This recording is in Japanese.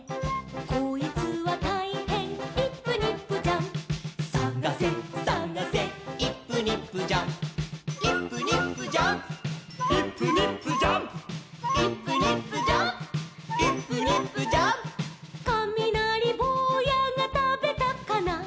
「こいつはたいへんイップニップジャンプ」「さがせさがせイップニップジャンプ」「イップニップジャンプイップニップジャンプ」「イップニップジャンプイップニップジャンプ」「かみなりぼうやがたべたかな」